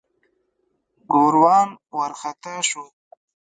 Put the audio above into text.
ګوروان وارخطا شو.